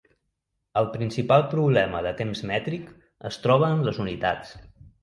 El principal problema de temps mètric es troba en les unitats.